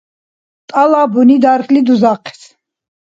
Тӏалабуни дархьли дузахъес